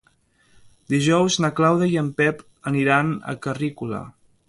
Dijous na Clàudia i en Pep aniran a Carrícola.